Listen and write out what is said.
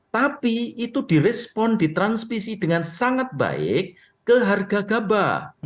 tapi itu direspon ditranspisi dengan sangat baik ke harga gabah